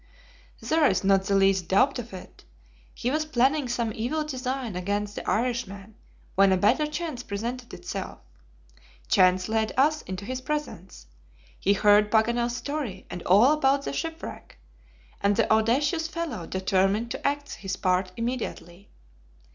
"There is not the least doubt of it. He was planning some evil design against the Irishman, when a better chance presented itself. Chance led us into his presence. He heard Paganel's story and all about the shipwreck, and the audacious fellow determined to act his part immediately.